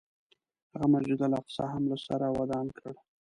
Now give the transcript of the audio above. هغه مسجد الاقصی هم له سره ودان کړ.